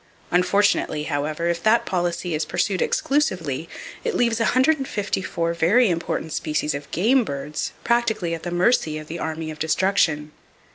Unfortunately, however, if that policy is pursued exclusively, it leaves 154 very important species of game birds practically at the mercy of the Army of Destruction!